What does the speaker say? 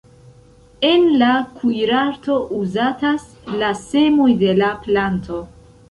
En la kuirarto uzatas la semoj de la planto.